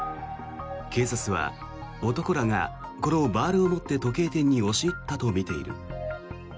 警察は男らがこのバールを持って時計店に押し入ったとみている。